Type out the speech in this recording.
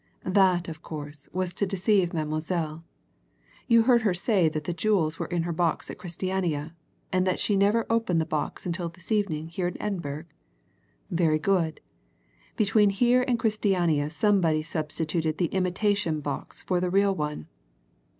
That, of course, was to deceive Mademoiselle. You heard her say that the jewels were in her box at Christiania, and that she never opened the box until this evening here in Edinburgh? Very good between here and Christiania somebody substituted the imitation box for the real one.